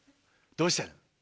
どうしたの？